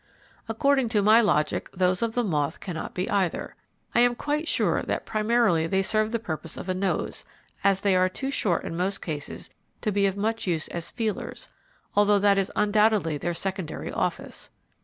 According to my logic those of the moth cannot be either. I am quite sure that primarily they serve the purpose of a nose, as they are too short in most cases to be of much use as 'feelers,' although that is undoubtedly their secondary office.